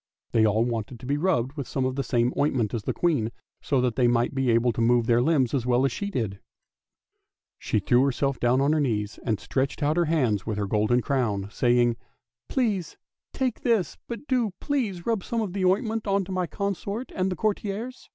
They all wanted to be rubbed with some of the same ointment as the Queen, so that they might be able to move their limbs as well as she did. She threw herself down on her knees and stretched out her hands with her golden crown, saying, " Pray, take this, but do, please, rub some of the oint ment on to my consort and the courtiers!